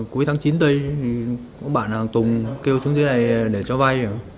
cuối tháng chín tây có bạn tùng kêu xuống dưới này để cho vai